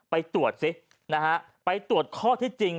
ไปตรวจซินะฮะไปตรวจข้อที่จริง